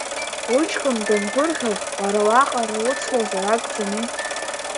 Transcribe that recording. Уҷкәын дангәырӷьо уара уаҟара уцлозар акәӡами?